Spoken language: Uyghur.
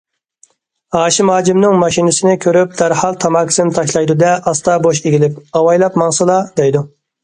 ھاشىم ھاجىمنىڭ ماشىنىسىنى كۆرۈپ دەرھال تاماكىسىنى تاشلايدۇ دە ئاستا بوش ئېگىلىپ:- ئاۋايلاپ ماڭسىلا دەيدۇ.